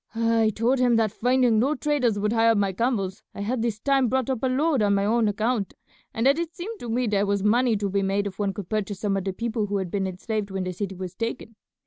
I told him that finding no traders would hire my camels I had this time brought up a load on my own account, and that it seemed to me there was money to be made if one could purchase some of the people who had been enslaved when the city was taken.